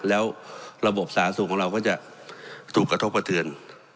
แล้วระบบสาธารณสุขของเราก็จะถูกกระทบกระเทือน